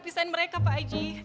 pisahin mereka pak haji